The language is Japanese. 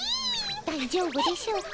だいじょうぶでしょうか？